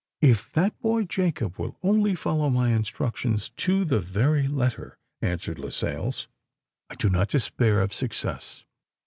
"If that boy Jacob will only follow my instructions to the very letter," answered Lascelles, "I do not despair of success!"